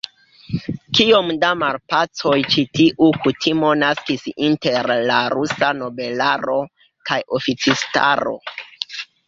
Kiom da malpacoj ĉi tiu kutimo naskis inter la rusa nobelaro kaj oficistaro!